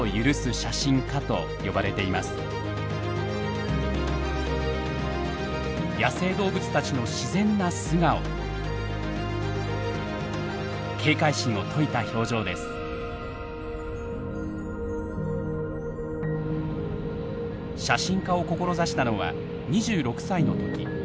写真家を志したのは２６歳の時。